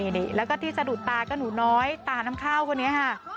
นี่แล้วก็ที่สะดุดตาก็หนูน้อยตาน้ำข้าวคนนี้ค่ะ